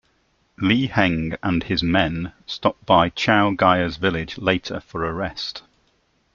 Lei Heng and his men stop by Chao Gai's village later for a rest.